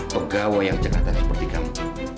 pegawai yang jakarta seperti kamu